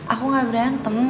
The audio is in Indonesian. aku gak berantem